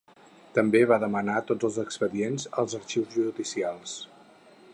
També va demanar tots els expedients als arxius judicials.